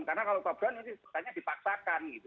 karena kalau top down ini sepertinya dipaksakan gitu